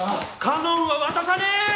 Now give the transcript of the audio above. かのんは渡さねえ！